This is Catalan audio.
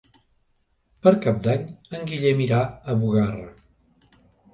Per Cap d'Any en Guillem irà a Bugarra.